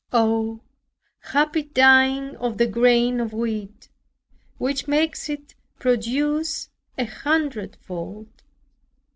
Oh, happy dying of the grain of wheat, which makes it produce an hundredfold!